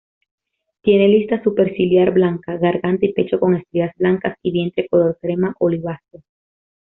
Tiene lista superciliar blanca, garganta y pecho con estrías blancas, vientre color crema oliváceo.